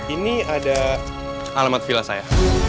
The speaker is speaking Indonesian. ini ada alamat villa saya